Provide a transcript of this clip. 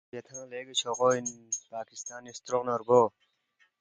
کھوئے بیاتھنگ لیگی چھوغو اِن پاکستان نی ستروقنہ رگو